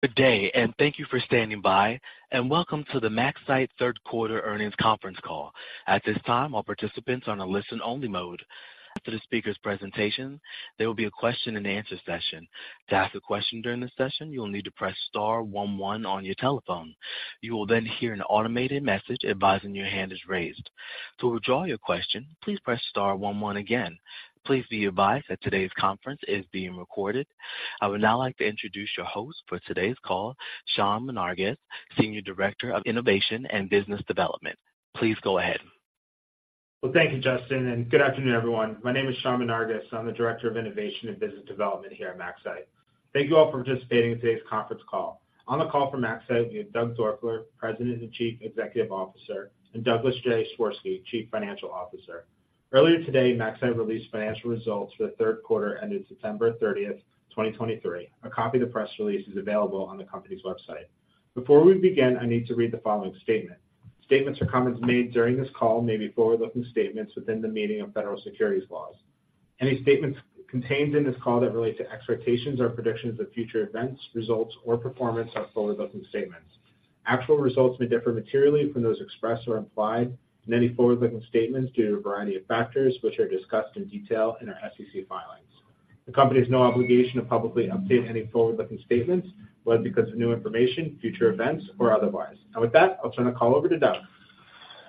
Good day, and thank you for standing by, and welcome to the MaxCyte third quarter earnings conference call. At this time, all participants are on a listen-only mode. After the speaker's presentation, there will be a question-and-answer session. To ask a question during the session, you will need to press star one one on your telephone. You will then hear an automated message advising your hand is raised. To withdraw your question, please press star one one again. Please be advised that today's conference is being recorded. I would now like to introduce your host for today's call, Sean Menarguez, Senior Director of Innovation and Business Development. Please go ahead. Well, thank you, Justin, and good afternoon, everyone. My name is Sean Menarguez. I'm the Director of Innovation and Business Development here at MaxCyte. Thank you all for participating in today's conference call. On the call from MaxCyte, we have Doug Doerfler, President and Chief Executive Officer, and Douglas Swirsky, Chief Financial Officer. Earlier today, MaxCyte released financial results for the third quarter ended September 30, 2023. A copy of the press release is available on the company's website. Before we begin, I need to read the following statement. Statements or comments made during this call may be forward-looking statements within the meaning of federal securities laws. Any statements contained in this call that relate to expectations or predictions of future events, results, or performance are forward-looking statements. Actual results may differ materially from those expressed or implied in any forward-looking statements due to a variety of factors, which are discussed in detail in our SEC filings. The company has no obligation to publicly update any forward-looking statements, whether because of new information, future events, or otherwise. And with that, I'll turn the call over to Doug.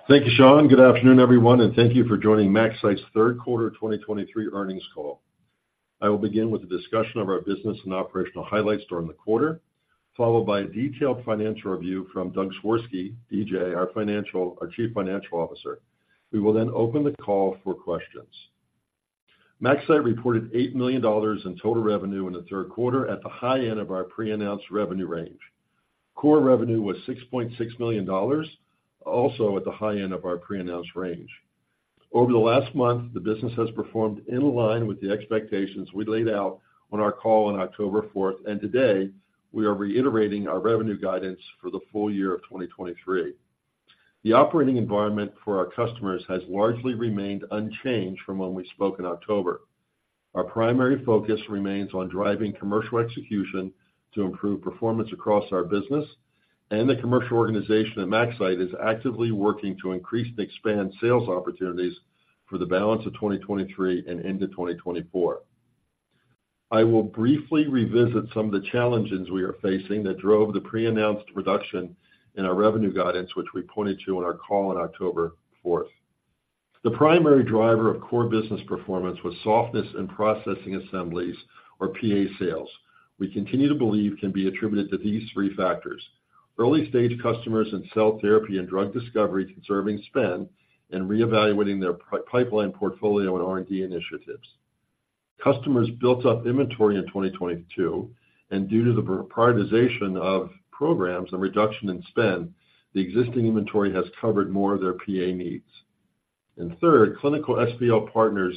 Thank you, Sean. Good afternoon, everyone, and thank you for joining MaxCyte's third quarter 2023 earnings call. I will begin with a discussion of our business and operational highlights during the quarter, followed by a detailed financial review from Doug Swirsky, DJ, our Chief Financial Officer. We will then open the call for questions. MaxCyte reported $8 million in total revenue in the third quarter at the high end of our pre-announced revenue range. Core revenue was $6.6 million, also at the high end of our pre-announced range. Over the last month, the business has performed in line with the expectations we laid out on our call on October fourth, and today we are reiterating our revenue guidance for the full year of 2023. The operating environment for our customers has largely remained unchanged from when we spoke in October. Our primary focus remains on driving commercial execution to improve performance across our business, and the commercial organization at MaxCyte is actively working to increase and expand sales opportunities for the balance of 2023 and into 2024. I will briefly revisit some of the challenges we are facing that drove the pre-announced reduction in our revenue guidance, which we pointed to on our call on October 4. The primary driver of core business performance was softness in processing assemblies or PA sales. We continue to believe can be attributed to these three factors: Early-stage customers in cell therapy and drug discovery, conserving spend, and reevaluating their pipeline portfolio and R&D initiatives. Customers built up inventory in 2022, and due to the prioritization of programs and reduction in spend, the existing inventory has covered more of their PA needs. Third, clinical SPL partners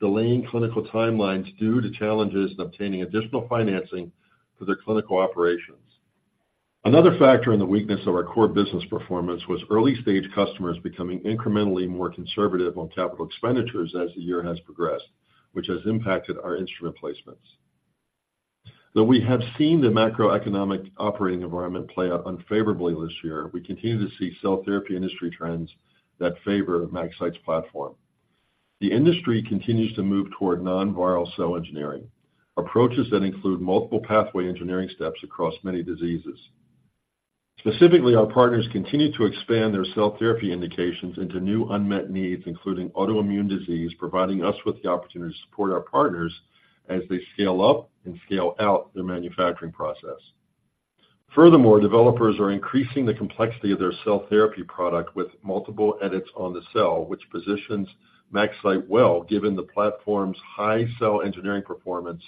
delaying clinical timelines due to challenges in obtaining additional financing for their clinical operations. Another factor in the weakness of our core business performance was early-stage customers becoming incrementally more conservative on capital expenditures as the year has progressed, which has impacted our instrument placements. Though we have seen the macroeconomic operating environment play out unfavorably this year, we continue to see cell therapy industry trends that favor MaxCyte's platform. The industry continues to move toward non-viral cell engineering, approaches that include multiple pathway engineering steps across many diseases. Specifically, our partners continue to expand their cell therapy indications into new unmet needs, including autoimmune disease, providing us with the opportunity to support our partners as they scale up and scale out their manufacturing process. Furthermore, developers are increasing the complexity of their cell therapy product with multiple edits on the cell, which positions MaxCyte well, given the platform's high cell engineering performance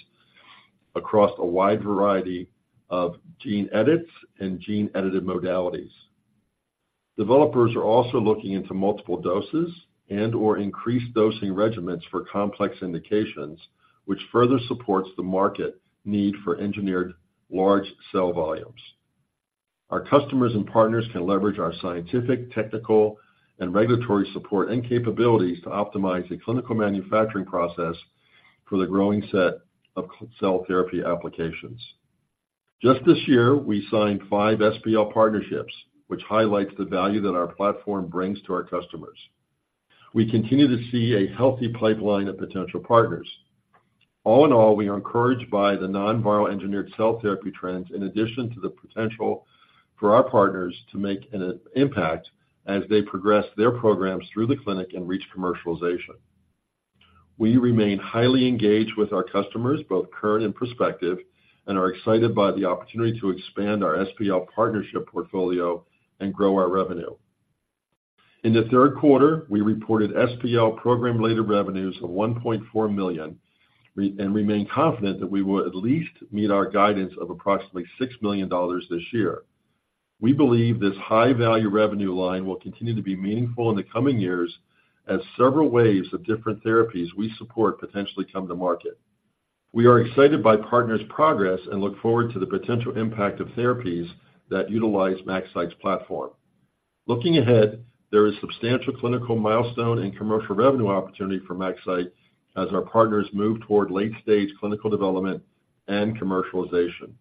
across a wide variety of gene edits and gene-edited modalities. Developers are also looking into multiple doses and/or increased dosing regimens for complex indications, which further supports the market need for engineered large cell volumes. Our customers and partners can leverage our scientific, technical, and regulatory support and capabilities to optimize the clinical manufacturing process for the growing set of cell therapy applications. Just this year, we signed five SPL partnerships, which highlights the value that our platform brings to our customers. We continue to see a healthy pipeline of potential partners. All in all, we are encouraged by the non-viral engineered cell therapy trends, in addition to the potential for our partners to make an impact as they progress their programs through the clinic and reach commercialization. We remain highly engaged with our customers, both current and prospective, and are excited by the opportunity to expand our SPL partnership portfolio and grow our revenue. In the third quarter, we reported SPL program-related revenues of $1.4 million and remain confident that we will at least meet our guidance of approximately $6 million this year. We believe this high-value revenue line will continue to be meaningful in the coming years as several waves of different therapies we support potentially come to market. We are excited by partners' progress and look forward to the potential impact of therapies that utilize MaxCyte's platform. Looking ahead, there is substantial clinical milestone and commercial revenue opportunity for MaxCyte as our partners move toward late-stage clinical development and commercialization.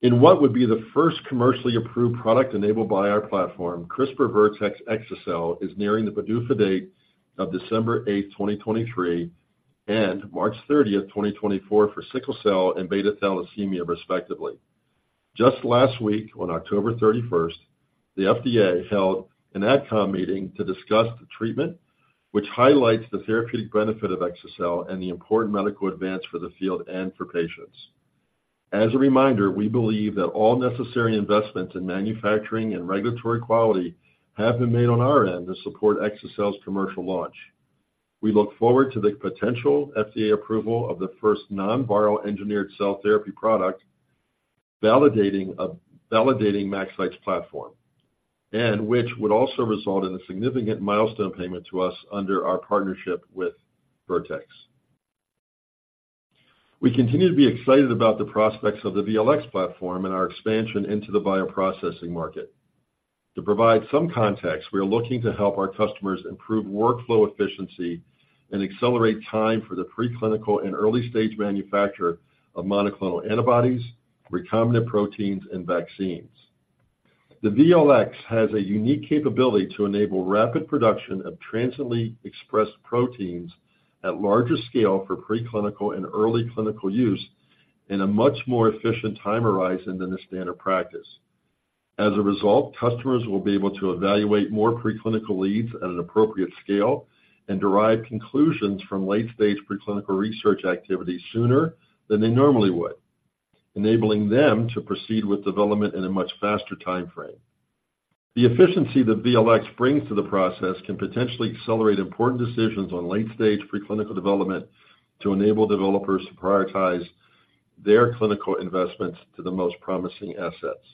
In what would be the first commercially approved product enabled by our platform, CRISPR Vertex exa-cel is nearing the PDUFA date of December 8, 2023, and March 30, 2024, for sickle cell and beta thalassemia, respectively. Just last week, on October 31, the FDA held an AdCom meeting to discuss the treatment, which highlights the therapeutic benefit of exa-cel and the important medical advance for the field and for patients. As a reminder, we believe that all necessary investments in manufacturing and regulatory quality have been made on our end to support exa-cel's commercial launch. We look forward to the potential FDA approval of the first non-viral engineered cell therapy product, validating, validating MaxCyte's platform, and which would also result in a significant milestone payment to us under our partnership with Vertex. We continue to be excited about the prospects of the VLx platform and our expansion into the bioprocessing market. To provide some context, we are looking to help our customers improve workflow efficiency and accelerate time for the preclinical and early-stage manufacture of monoclonal antibodies, recombinant proteins, and vaccines. The VLx has a unique capability to enable rapid production of transiently expressed proteins at larger scale for preclinical and early clinical use in a much more efficient time horizon than the standard practice. As a result, customers will be able to evaluate more preclinical leads at an appropriate scale and derive conclusions from late-stage preclinical research activities sooner than they normally would, enabling them to proceed with development in a much faster timeframe. The efficiency that VLx brings to the process can potentially accelerate important decisions on late-stage preclinical development to enable developers to prioritize their clinical investments to the most promising assets.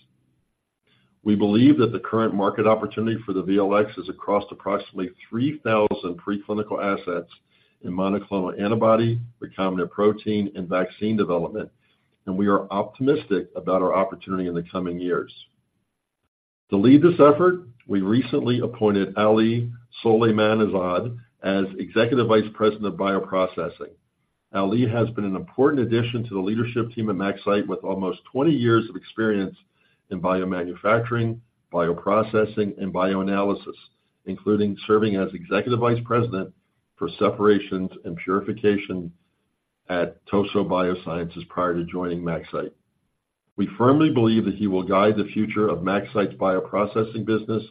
We believe that the current market opportunity for the VLx is across approximately 3,000 preclinical assets in monoclonal antibody, recombinant protein, and vaccine development, and we are optimistic about our opportunity in the coming years. To lead this effort, we recently appointed Ali Soleimanizad as Executive Vice President of Bioprocessing. Ali has been an important addition to the leadership team at MaxCyte, with almost 20 years of experience in biomanufacturing, bioprocessing, and bioanalysis, including serving as Executive Vice President for Separations and Purification at Tosoh Bioscience prior to joining MaxCyte. We firmly believe that he will guide the future of MaxCyte's bioprocessing business,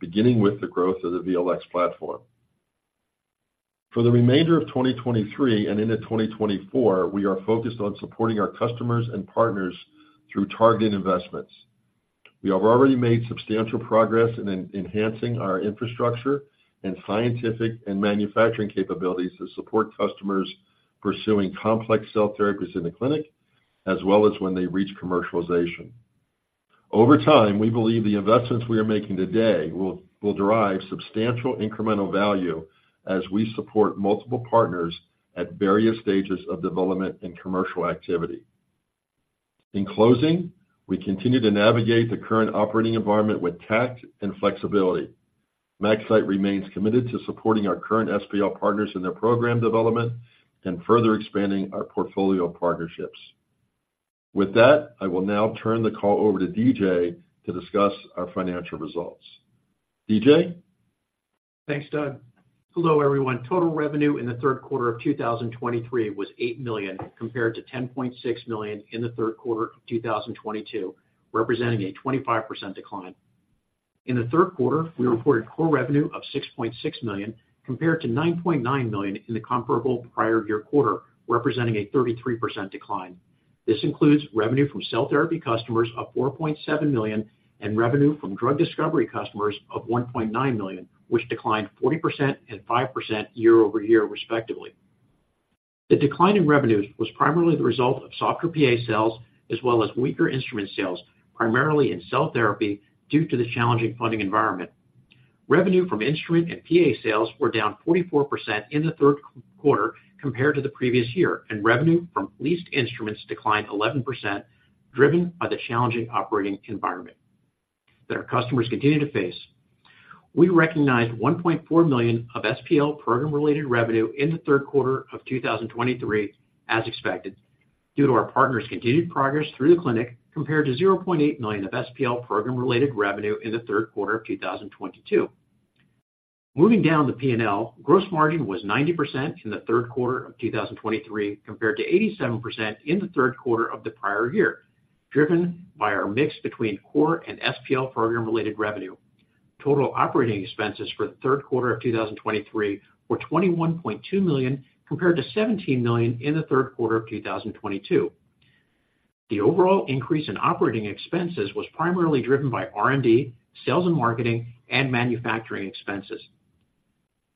beginning with the growth of the VLx platform. For the remainder of 2023 and into 2024, we are focused on supporting our customers and partners through targeted investments. We have already made substantial progress in enhancing our infrastructure and scientific and manufacturing capabilities to support customers pursuing complex cell therapies in the clinic, as well as when they reach commercialization. Over time, we believe the investments we are making today will derive substantial incremental value as we support multiple partners at various stages of development and commercial activity. In closing, we continue to navigate the current operating environment with tact and flexibility. MaxCyte remains committed to supporting our current SPL partners in their program development and further expanding our portfolio of partnerships. With that, I will now turn the call over to DJ to discuss our financial results. DJ? Thanks, Doug. Hello, everyone. Total revenue in the third quarter of 2023 was $8 million, compared to $10.6 million in the third quarter of 2022, representing a 25% decline. In the third quarter, we reported core revenue of $6.6 million, compared to $9.9 million in the comparable prior year quarter, representing a 33% decline. This includes revenue from cell therapy customers of $4.7 million and revenue from drug discovery customers of $1.9 million, which declined 40% and 5% year-over-year, respectively. The decline in revenues was primarily the result of softer PA sales as well as weaker instrument sales, primarily in cell therapy, due to the challenging funding environment. Revenue from instrument and PA sales were down 44% in the third quarter compared to the previous year, and revenue from leased instruments declined 11%, driven by the challenging operating environment that our customers continue to face. We recognized $1.4 million of SPL program-related revenue in the third quarter of 2023, as expected, due to our partners' continued progress through the clinic, compared to $0.8 million of SPL program-related revenue in the third quarter of 2022. Moving down the P&L, gross margin was 90% in the third quarter of 2023, compared to 87% in the third quarter of the prior year, driven by our mix between core and SPL program-related revenue. Total operating expenses for the third quarter of 2023 were $21.2 million, compared to $17 million in the third quarter of 2022. The overall increase in operating expenses was primarily driven by R&D, sales and marketing, and manufacturing expenses.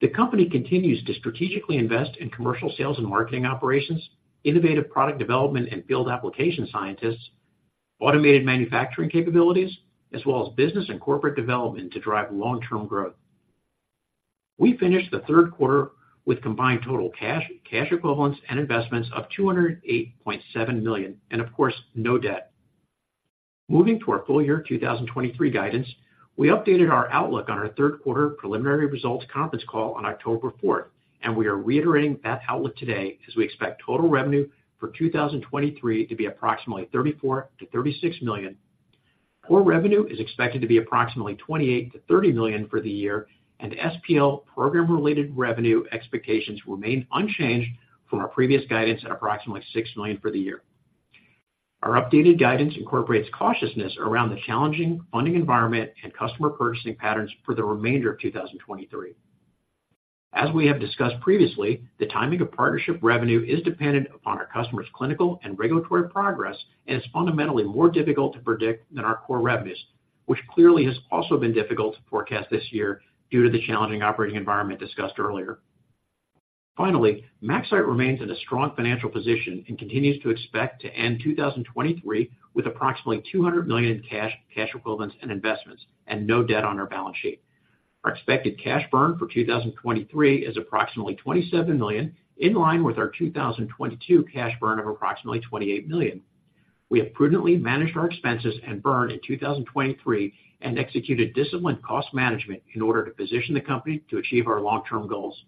The company continues to strategically invest in commercial sales and marketing operations, innovative product development and field application scientists, automated manufacturing capabilities, as well as business and corporate development to drive long-term growth. We finished the third quarter with combined total cash, cash equivalents, and investments of $208.7 million, and of course, no debt. Moving to our full-year 2023 guidance, we updated our outlook on our third quarter preliminary results conference call on October fourth, and we are reiterating that outlook today as we expect total revenue for 2023 to be approximately $34 million-$36 million. Core revenue is expected to be approximately $28 million-$30 million for the year, and SPL program-related revenue expectations remain unchanged from our previous guidance at approximately $6 million for the year. Our updated guidance incorporates cautiousness around the challenging funding environment and customer purchasing patterns for the remainder of 2023. As we have discussed previously, the timing of partnership revenue is dependent upon our customers' clinical and regulatory progress, and it's fundamentally more difficult to predict than our core revenues, which clearly has also been difficult to forecast this year due to the challenging operating environment discussed earlier. Finally, MaxCyte remains in a strong financial position and continues to expect to end 2023 with approximately $200 million in cash, cash equivalents, and investments, and no debt on our balance sheet. Our expected cash burn for 2023 is approximately $27 million, in line with our 2022 cash burn of approximately $28 million. We have prudently managed our expenses and burn in 2023 and executed disciplined cost management in order to position the company to achieve our long-term goals.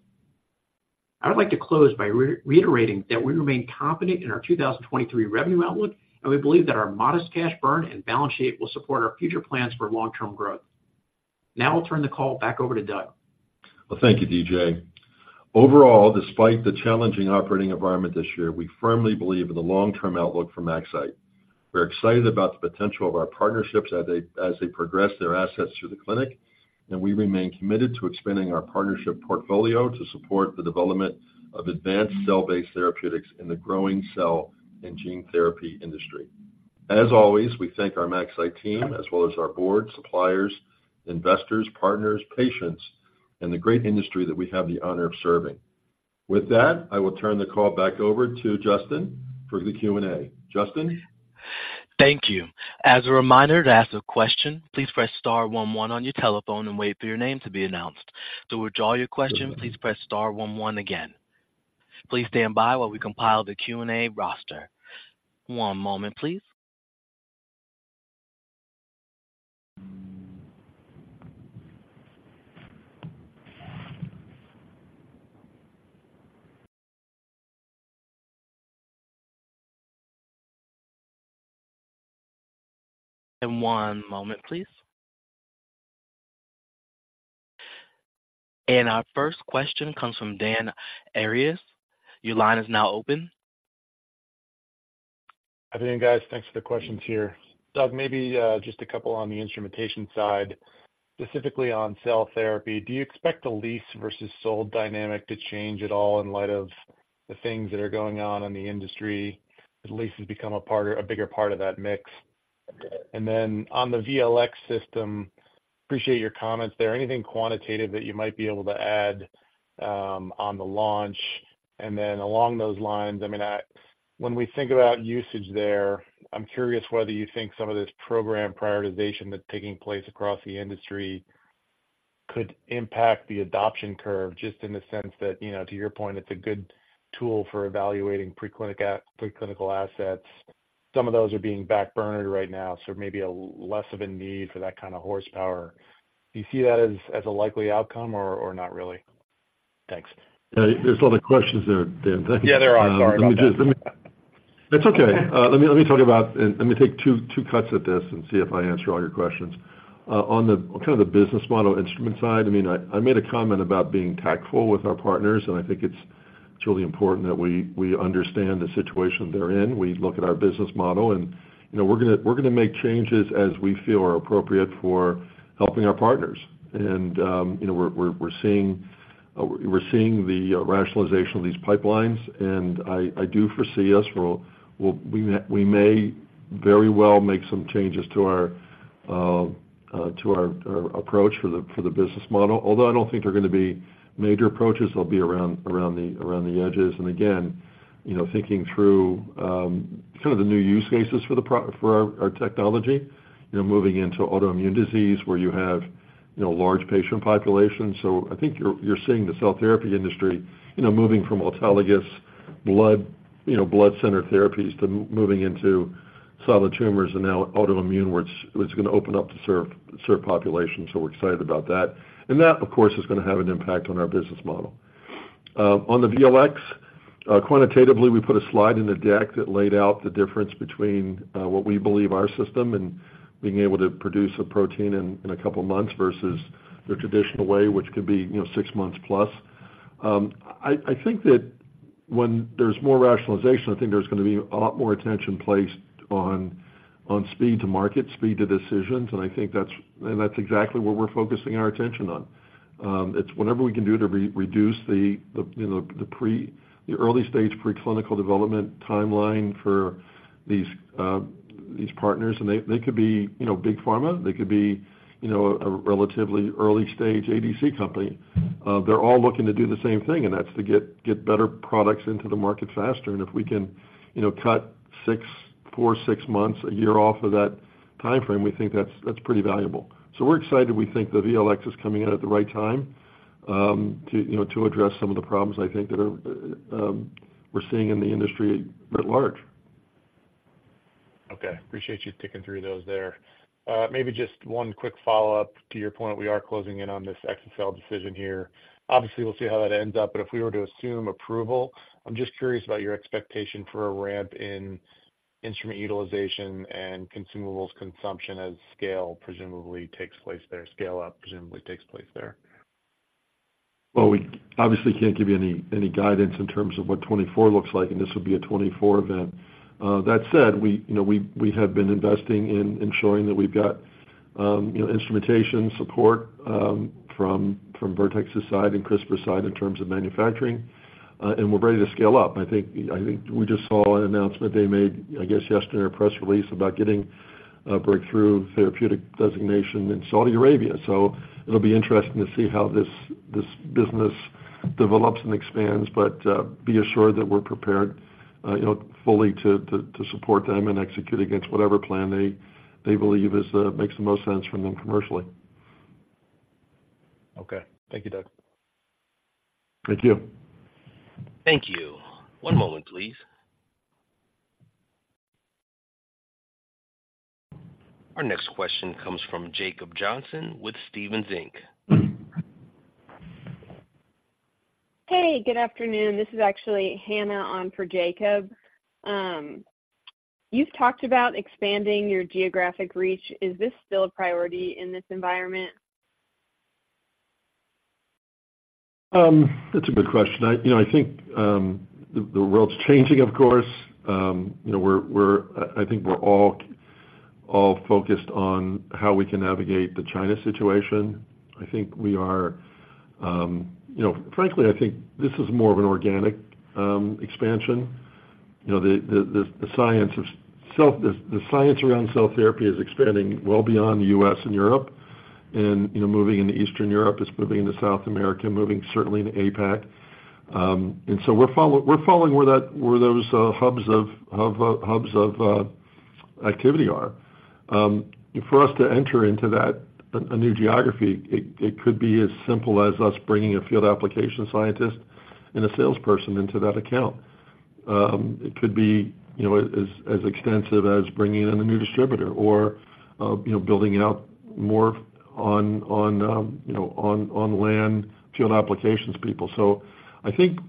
I would like to close by reiterating that we remain confident in our 2023 revenue outlook, and we believe that our modest cash burn and balance sheet will support our future plans for long-term growth. Now I'll turn the call back over to Doug. Well, thank you, DJ. Overall, despite the challenging operating environment this year, we firmly believe in the long-term outlook for MaxCyte. We're excited about the potential of our partnerships as they, as they progress their assets through the clinic, and we remain committed to expanding our partnership portfolio to support the development of advanced cell-based therapeutics in the growing cell and gene therapy industry. As always, we thank our MaxCyte team as well as our board, suppliers, investors, partners, patients, and the great industry that we have the honor of serving. With that, I will turn the call back over to Justin for the Q&A. Justin? Thank you. As a reminder, to ask a question, please press star one one on your telephone and wait for your name to be announced. To withdraw your question, please press star one one again. Please stand by while we compile the Q&A roster. One moment, please. And one moment, please. And our first question comes from Dan Arias. Your line is now open. How are you doing, guys? Thanks for the questions here. Doug, maybe just a couple on the instrumentation side, specifically on cell therapy. Do you expect the lease versus sold dynamic to change at all in light of the things that are going on in the industry, as leases become a bigger part of that mix? And then on the VLx system, appreciate your comments there. Anything quantitative that you might be able to add on the launch? And then along those lines, I mean, when we think about usage there, I'm curious whether you think some of this program prioritization that's taking place across the industry could impact the adoption curve, just in the sense that, you know, to your point, it's a good tool for evaluating preclinical assets. Some of those are being backburnered right now, so maybe a less of a need for that kind of horsepower. Do you see that as, as a likely outcome or, or not really? Thanks. Yeah, there's a lot of questions there, Dan. Yeah, there are. Sorry about that. Let me talk about, and let me take two cuts at this and see if I answer all your questions. On the kind of business model instrument side, I mean, I made a comment about being tactful with our partners, and I think it's really important that we understand the situation they're in. We look at our business model and, you know, we're gonna make changes as we feel are appropriate for helping our partners. And, you know, we're seeing the rationalization of these pipelines, and I do foresee us. We may very well make some changes to our approach for the business model. Although I don't think they're gonna be major approaches, they'll be around the edges. And again, you know, thinking through some of the new use cases for our technology, you know, moving into autoimmune disease where you have, you know, large patient populations. So I think you're seeing the cell therapy industry, you know, moving from autologous blood, you know, blood-centered therapies to moving into solid tumors and now autoimmune, which is gonna open up to serve populations. So we're excited about that. And that, of course, is gonna have an impact on our business model. On the VLx, quantitatively, we put a slide in the deck that laid out the difference between what we believe our system and being able to produce a protein in a couple of months versus the traditional way, which could be, you know, six months plus. I think that when there's more rationalization, I think there's gonna be a lot more attention placed on speed to market, speed to decisions, and I think that's and that's exactly what we're focusing our attention on. It's whatever we can do to reduce the, you know, the early-stage preclinical development timeline for these partners, and they could be, you know, big pharma, they could be, you know, a relatively early-stage ADC company. They're all looking to do the same thing, and that's to get, get better products into the market faster. And if we can, you know, cut six, four, six months, a year off of that time frame, we think that's, that's pretty valuable. So we're excited. We think the VLx is coming out at the right time, to, you know, to address some of the problems I think that are, we're seeing in the industry at large. Okay, appreciate you sticking through those there. Maybe just one quick follow-up to your point. We are closing in on this exa-cel decision here. Obviously, we'll see how that ends up, but if we were to assume approval, I'm just curious about your expectation for a ramp in instrument utilization and consumables consumption as scale presumably takes place there, scale-up presumably takes place there. Well, we obviously can't give you any guidance in terms of what 2024 looks like, and this will be a 2024 event. That said, you know, we have been investing in ensuring that we've got, you know, instrumentation support from Vertex's side and CRISPR's side in terms of manufacturing, and we're ready to scale up. I think we just saw an announcement they made, I guess, yesterday, a press release about getting a breakthrough therapeutic designation in Saudi Arabia. So it'll be interesting to see how this business develops and expands, but be assured that we're prepared, you know, fully to support them and execute against whatever plan they believe is makes the most sense for them commercially. Okay. Thank you, Doug. Thank you. Thank you. One moment, please. Our next question comes from Jacob Johnson with Stephens Inc. Hey, good afternoon. This is actually Hannah on for Jacob. You've talked about expanding your geographic reach. Is this still a priority in this environment? That's a good question. You know, I think the world's changing, of course. You know, we're, I think we're all focused on how we can navigate the China situation. I think we are, you know, frankly, I think this is more of an organic expansion. You know, the science around cell therapy is expanding well beyond U.S. and Europe, and, you know, moving into Eastern Europe, it's moving into South America, moving certainly into APAC. And so we're following where that, where those hubs of activity are. For us to enter into that, a new geography, it could be as simple as us bringing a field application scientist and a salesperson into that account. It could be, you know, as extensive as bringing in a new distributor or, you know, building out more on, on land field applications people. So I think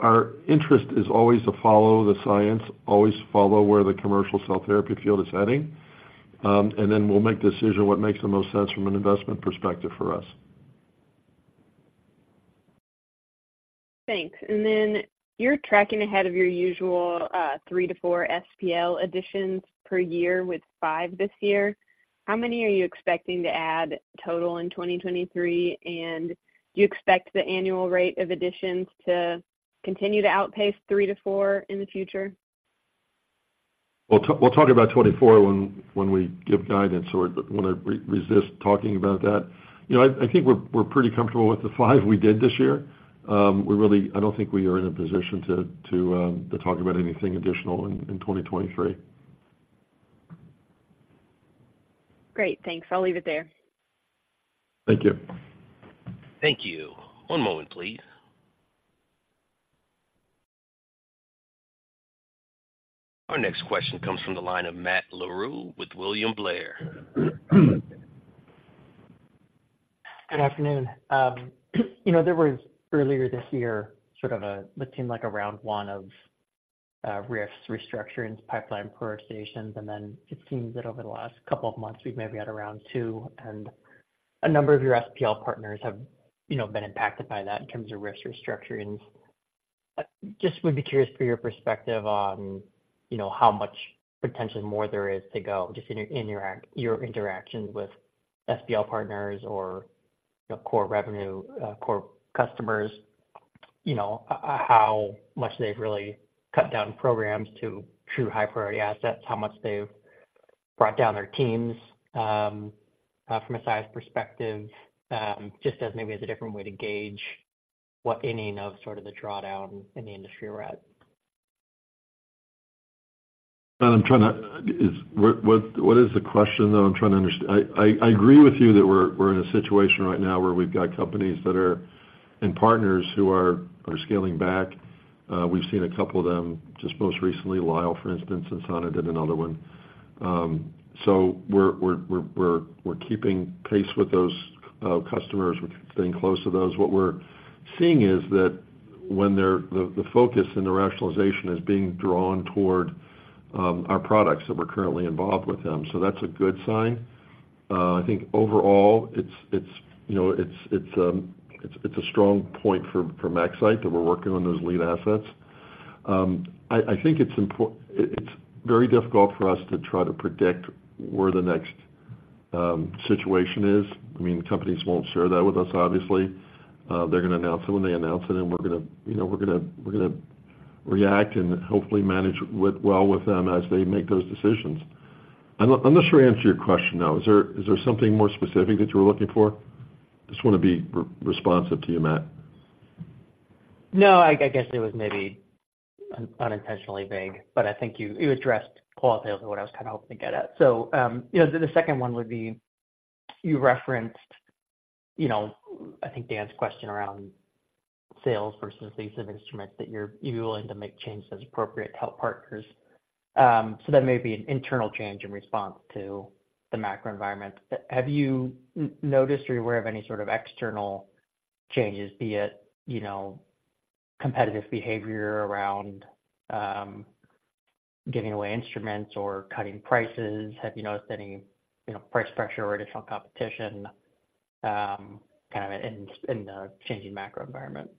our interest is always to follow the science, always follow where the commercial cell therapy field is heading, and then we'll make the decision what makes the most sense from an investment perspective for us. Thanks. And then you're tracking ahead of your usual three to four SPL additions per year with five this year. How many are you expecting to add total in 2023? And do you expect the annual rate of additions to continue to outpace three to four in the future? We'll talk about 2024 when we give guidance, so I wanna resist talking about that. You know, I think we're pretty comfortable with the five we did this year. We really, I don't think we are in a position to talk about anything additional in 2023. Great, thanks. I'll leave it there. Thank you. Thank you. One moment, please. Our next question comes from the line of Matt Larew with William Blair. Good afternoon. You know, there was earlier this year, sort of a, what seemed like a round one of, risks, restructurings, pipeline prioritizations, and then it seems that over the last couple of months, we've maybe had a round two, and a number of your SPL partners have, you know, been impacted by that in terms of risk restructurings. I just would be curious for your perspective on, you know, how much potential more there is to go, just in your, in your your interactions with SPL partners or, you know, core revenue, core customers, you know, how much they've really cut down programs to true high-priority assets, how much they've brought down their teams, from a size perspective, just as maybe as a different way to gauge what inning of sort of the drawdown in the industry we're at. What is the question, though? I agree with you that we're in a situation right now where we've got companies that are and partners who are scaling back. We've seen a couple of them, just most recently, Lyell, for instance, and Sana did another one. So we're keeping pace with those customers. We're staying close to those. What we're seeing is that when they're the focus and the rationalization is being drawn toward our products that we're currently involved with them. So that's a good sign. I think overall, you know, it's a strong point for MaxCyte that we're working on those lead assets. I think it's very difficult for us to try to predict where the next situation is. I mean, companies won't share that with us, obviously. They're gonna announce it when they announce it, and we're gonna, you know, react and hopefully manage with, well, with them as they make those decisions. I'm not sure I answered your question, though. Is there something more specific that you were looking for? Just wanna be responsive to you, Matt.... No, I guess it was maybe unintentionally vague, but I think you addressed qualitatively what I was kind of hoping to get at. So, you know, the second one would be, you referenced, you know, I think Dan's question around sales versus lease of instruments, that you're willing to make changes as appropriate to help partners. So that may be an internal change in response to the macro environment. But have you noticed or aware of any sort of external changes, be it, you know, competitive behavior around giving away instruments or cutting prices? Have you noticed any, you know, price pressure or additional competition kind of in the changing macro environment?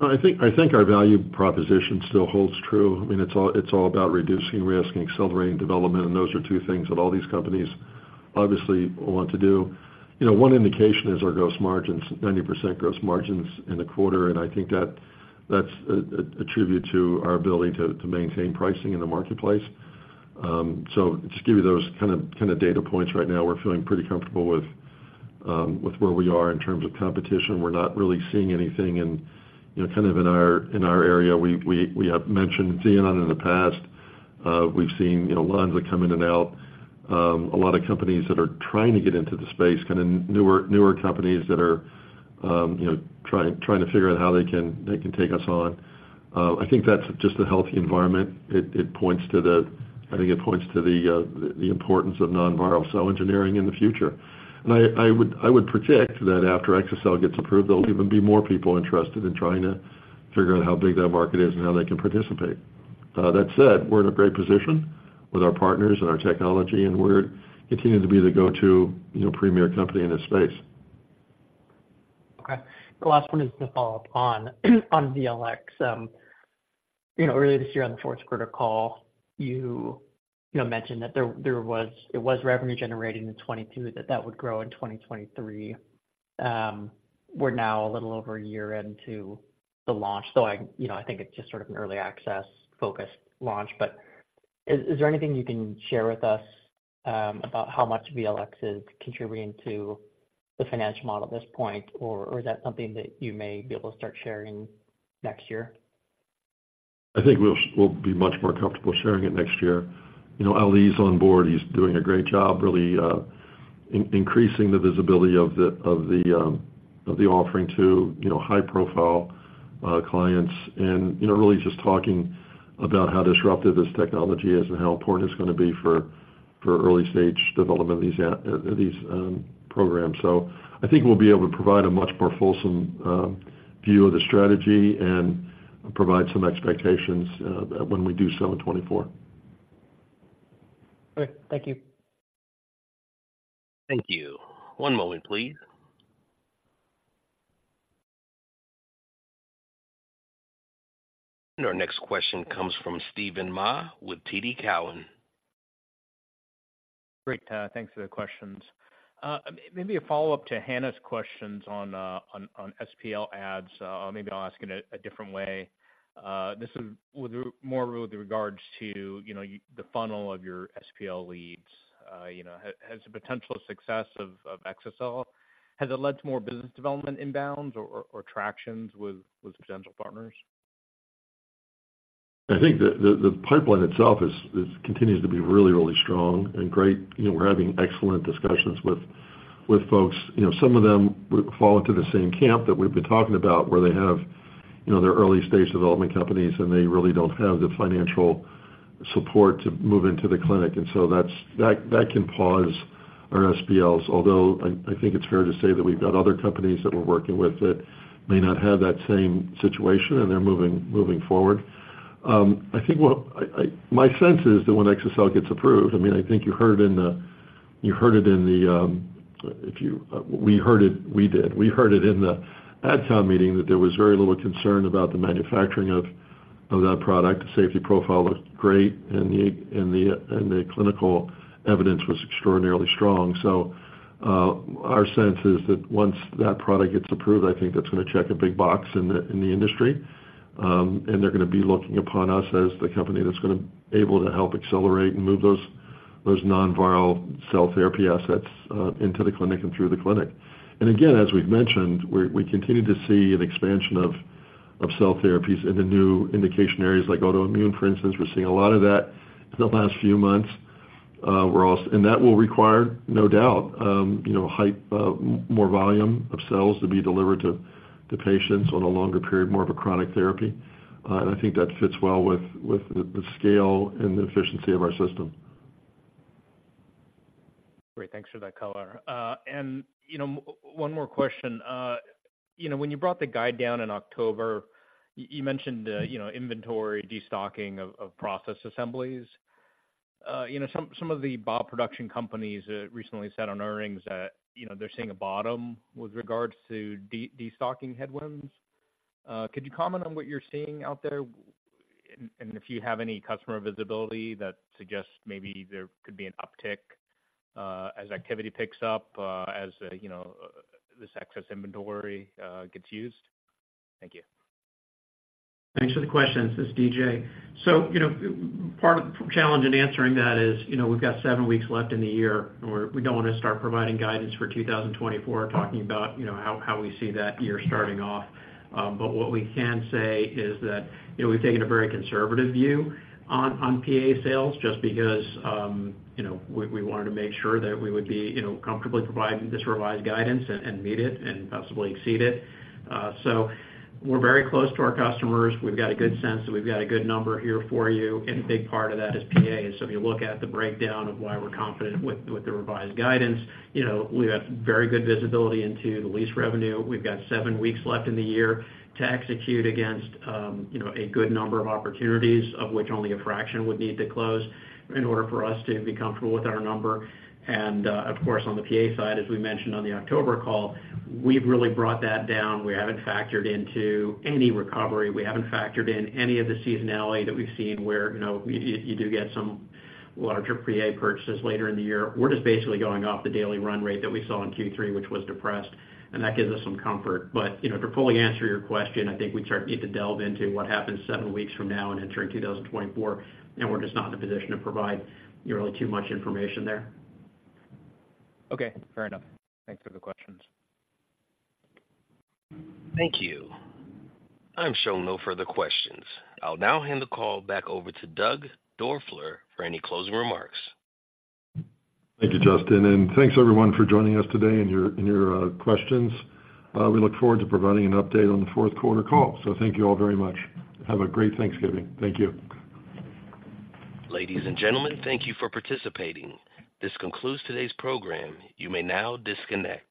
I think our value proposition still holds true. I mean, it's all about reducing risk and accelerating development, and those are two things that all these companies obviously want to do. You know, one indication is our gross margins, 90% gross margins in the quarter, and I think that's an attribute to our ability to maintain pricing in the marketplace. So just give you those kind of data points right now, we're feeling pretty comfortable with where we are in terms of competition. We're not really seeing anything in, you know, kind of in our area. We have mentioned Xenon in the past. We've seen, you know, lines that come in and out. A lot of companies that are trying to get into the space, kind of newer, newer companies that are, you know, trying, trying to figure out how they can, they can take us on. I think that's just a healthy environment. It points to the—I think it points to the importance of non-viral cell engineering in the future. And I would predict that after exa-cel gets approved, there'll even be more people interested in trying to figure out how big that market is and how they can participate. That said, we're in a great position with our partners and our technology, and we're continuing to be the go-to, you know, premier company in this space. Okay. The last one is to follow up on VLx. You know, earlier this year on the fourth quarter call, you know, mentioned that it was revenue generating in 2022, that would grow in 2023. We're now a little over a year into the launch, so you know, I think it's just sort of an early access-focused launch. But is there anything you can share with us about how much VLx is contributing to the financial model at this point, or is that something that you may be able to start sharing next year? I think we'll be much more comfortable sharing it next year. You know, Ali's on board, he's doing a great job, really, increasing the visibility of the offering to, you know, high-profile clients. And, you know, really just talking about how disruptive this technology is and how important it's gonna be for early-stage development of these programs. So I think we'll be able to provide a much more fulsome view of the strategy and provide some expectations when we do so in 2024. Great. Thank you. Thank you. One moment, please. Our next question comes from Steven Mah with TD Cowen. Great, thanks for the questions. Maybe a follow-up to Hannah's questions on SPL adds. Maybe I'll ask it a different way. This is more with regards to, you know, the funnel of your SPL leads. You know, has the potential success of exa-cel led to more business development inbounds or tractions with potential partners? I think the pipeline itself is continues to be really, really strong and great. You know, we're having excellent discussions with folks. You know, some of them fall into the same camp that we've been talking about, where they have, you know, their early-stage development companies, and they really don't have the financial support to move into the clinic. And so that's that can pause our SPLs. Although, I think it's fair to say that we've got other companies that we're working with that may not have that same situation, and they're moving forward. I think what I my sense is that when exa-cel gets approved, I mean, I think you heard it in the, we heard it, we did. We heard it in the ad hoc meeting, that there was very little concern about the manufacturing of that product. The safety profile looked great, and the clinical evidence was extraordinarily strong. So, our sense is that once that product gets approved, I think that's gonna check a big box in the industry. And they're gonna be looking upon us as the company that's gonna able to help accelerate and move those non-viral cell therapy assets into the clinic and through the clinic. And again, as we've mentioned, we continue to see an expansion of cell therapies into new indication areas like autoimmune, for instance. We're seeing a lot of that in the last few months. We're also, and that will require, no doubt, you know, higher volume of cells to be delivered to patients on a longer period, more of a chronic therapy. And I think that fits well with the scale and the efficiency of our system. Great, thanks for that color. And, you know, one more question. You know, when you brought the guide down in October, you mentioned, you know, inventory, destocking of process assemblies. You know, some of the Bio-P production companies recently said on earnings that, you know, they're seeing a bottom with regards to destocking headwinds. Could you comment on what you're seeing out there, and if you have any customer visibility that suggests maybe there could be an uptick, as activity picks up, as, you know, this excess inventory gets used? Thank you. Thanks for the question. This is DJ. So, you know, part of the challenge in answering that is, you know, we've got seven weeks left in the year, and we don't want to start providing guidance for 2024, talking about, you know, how we see that year starting off. But what we can say is that, you know, we've taken a very conservative view on PA sales, just because, you know, we wanted to make sure that we would be, you know, comfortably providing this revised guidance and meet it and possibly exceed it. So we're very close to our customers. We've got a good sense that we've got a good number here for you, and a big part of that is PAs. So if you look at the breakdown of why we're confident with the revised guidance, you know, we've got very good visibility into the lease revenue. We've got seven weeks left in the year to execute against, you know, a good number of opportunities, of which only a fraction would need to close in order for us to be comfortable with our number. And, of course, on the PA side, as we mentioned on the October call, we've really brought that down. We haven't factored into any recovery. We haven't factored in any of the seasonality that we've seen where, you know, you do get some larger PA purchases later in the year. We're just basically going off the daily run rate that we saw in Q3, which was depressed, and that gives us some comfort. But, you know, to fully answer your question, I think we'd sort of need to delve into what happens seven weeks from now and into 2024, and we're just not in a position to provide, you know, too much information there. Okay, fair enough. Thanks for the questions. Thank you. I'm showing no further questions. I'll now hand the call back over to Doug Doerfler for any closing remarks. Thank you, Justin, and thanks, everyone, for joining us today and your questions. We look forward to providing an update on the fourth quarter call. So thank you all very much. Have a great Thanksgiving. Thank you. Ladies and gentlemen, thank you for participating. This concludes today's program. You may now disconnect.